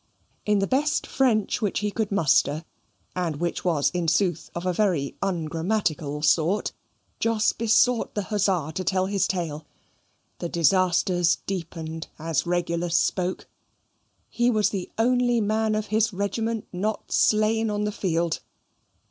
In the best French which he could muster, and which was in sooth of a very ungrammatical sort, Jos besought the hussar to tell his tale. The disasters deepened as Regulus spoke. He was the only man of his regiment not slain on the field.